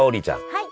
はい。